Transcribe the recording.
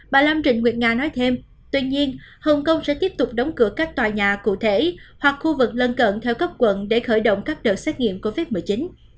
bà lam trình nguyệt nga nói thêm tuy nhiên hồng kông sẽ tiếp tục đóng cửa các tòa nhà cụ thể hoặc khu vực lân cận theo cấp quận để khởi động các đợt xét nghiệm covid một mươi chín